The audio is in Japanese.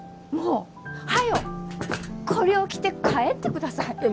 もう早うこりょう着て帰ってください。